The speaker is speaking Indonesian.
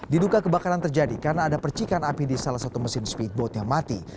diduga kebakaran terjadi karena ada percikan api di salah satu mesin speedboat yang mati